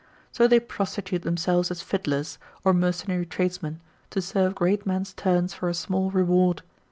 So they prostitute themselves as fiddlers, or mercenary tradesmen, to serve great men's turns for a small reward.